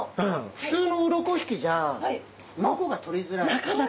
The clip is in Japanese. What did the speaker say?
ふつうのうろこ引きじゃうろこが取りづらい。